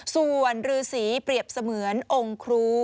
ส่วนฤษีเปรียบเสมือนองค์ครู